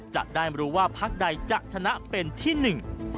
จะได้รู้ว่าพักใดจะชนะเป็นที่หนึ่ง